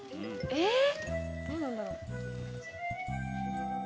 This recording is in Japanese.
えっ？